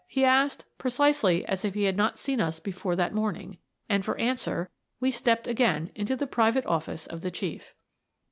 he asked, precisely as if he had not seen us before that morning, and, for answer, we stepped again into the private office of the Chief.